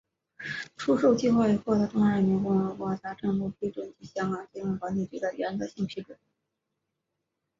出售计划已获得中华人民共和国财政部批准及香港金融管理局的原则性批准。